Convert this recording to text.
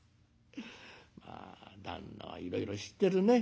まあ旦那はいろいろ知ってるね。